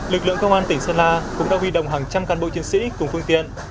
lực lượng công an tỉnh sơn la cũng đã huy động hàng trăm cán bộ chiến sĩ cùng phương tiện